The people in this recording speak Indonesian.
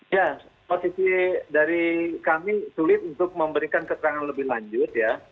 ya posisi dari kami sulit untuk memberikan keterangan lebih lanjut ya